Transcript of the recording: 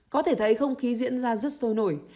có thể thấy không khí diễn ra rất sôi nổi